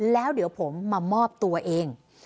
แล้วเดี๋ยวผมมามอบตัวเอง